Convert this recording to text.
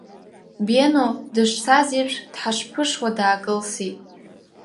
Бено, дышцаз еиԥш, дҳашԥышуа даакылсит.